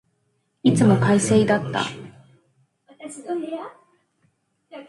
いつも快晴だった。